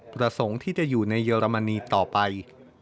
ประสงค์ที่จะอยู่ในเยอรมนีต่อไป